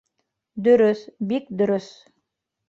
Дөрөҫ, бик дөрөҫ.